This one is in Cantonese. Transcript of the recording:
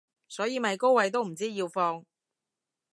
所以咪高位都唔知要放